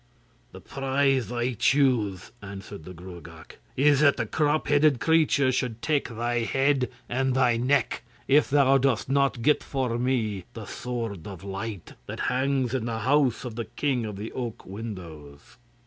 'The prize I choose,' answered the Gruagach, 'is that the crop headed creature should take thy head and thy neck, if thou dost not get for me the Sword of Light that hangs in the house of the king of the oak windows.